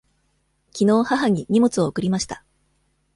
きのう母に荷物を送りました。